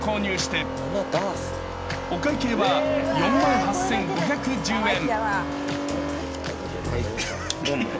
［お会計は４万８，５１０円］